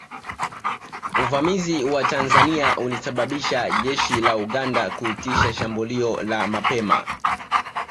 Uvamizi wa Tanzania ulisababisha jeshi la Uganda kuitisha shambulio la mapema